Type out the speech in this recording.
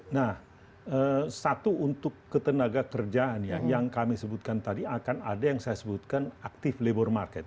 nah satu untuk ketenaga kerjaan ya yang kami sebutkan tadi akan ada yang saya sebutkan aktif labor market